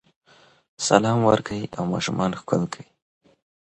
سلام ورکړئ او ماشومان ښکل کړئ.